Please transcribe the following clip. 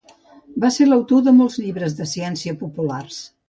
Va ser l"autor de molts llibres de ciència populars.